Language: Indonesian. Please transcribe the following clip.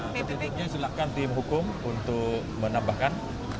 petitungnya silahkan tim hukum untuk menambahkan